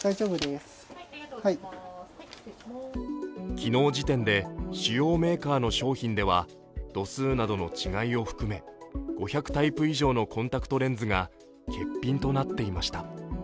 昨日の時点で、主要メーカーの商品では度数などの違いを含め５００タイプ以上のコンタクトレンズが欠品となっていました。